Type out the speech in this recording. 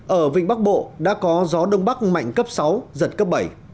ở vịnh bắc bộ đã có gió đông bắc mạnh cấp sáu giật cấp bảy